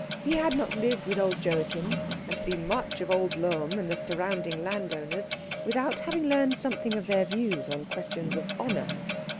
He had not lived with old Joachim and seen much of old Lohm and the surrounding landowners without having learned something of their views on questions of honour.